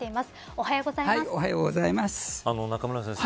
おはようございます。